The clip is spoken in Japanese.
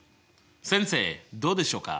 先生どうでしょうか？